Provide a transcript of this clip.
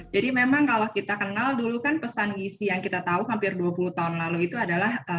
jadi memang kalau kita kenal dulu kan pesan gizi yang kita tahu hampir dua puluh tahun lalu itu adalah